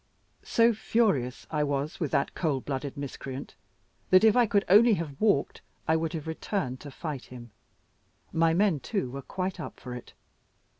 So furious I was with that cold blooded miscreant, that if I could only have walked, I would have returned to fight him. My men, too, were quite up for it.